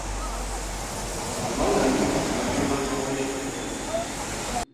Mullen is of maternal Polish descent.